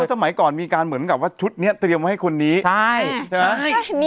สมัยก่อนมีการเหมือนกับว่าชุดนี้เตรียมไว้ให้คนนี้ใช่ใช่ไหม